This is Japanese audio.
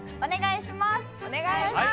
お願いします。